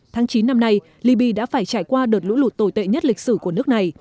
tháng chín năm nay libya đã phải trải qua đợt lũ lụt tồi tệ nhất lịch sử của nước này